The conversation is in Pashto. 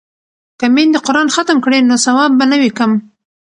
که میندې قران ختم کړي نو ثواب به نه وي کم.